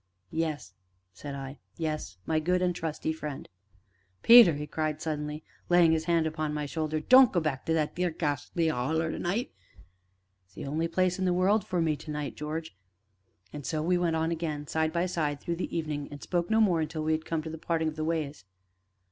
"Yes," said I; "yes, my good and trusty friend." "Peter," he cried suddenly, laying his hand upon my shoulder, "don't go back to that theer ghashly 'Oller to night " "It is the only place in the world for me to night, George." And so we went on again, side by side, through the evening, and spoke no more until we had come to the parting of the ways.